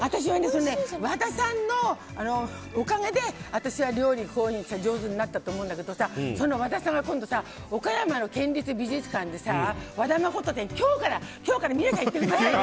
和田さんのおかげで私は料理が上手になったと思うんだけどさ和田さんが今度、岡山の県立美術館でさ「和田誠展」、今日から。